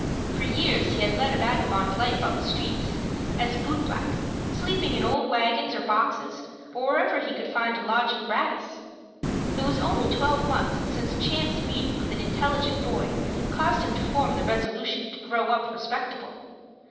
For years he had led a vagabond life about the streets, as a boot black, sleeping in old wagons, or boxes, or wherever he could find a lodging gratis. It was only twelve months since a chance meeting with an intelligent boy caused him to form the resolution to grow up respectable.